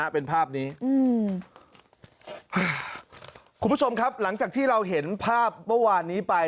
เป็นภาพนี้คุณผู้ชมครับหลังจากที่เราเห็นภาพเมื่อวานนี้ไป